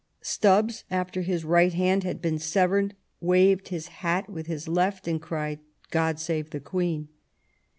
Stubbs, after his right hand had been severed, waved his hat with his left, and cried " God save the Queen